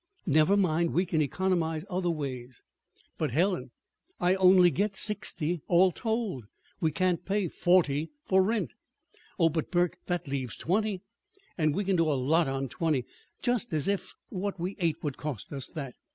"Never mind. We can economize other ways." "But, Helen, I only get sixty all told. We can't pay forty for rent." "Oh, but, Burke, that leaves twenty, and we can do a lot on twenty. Just as if what we ate would cost us that!